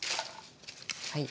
はい。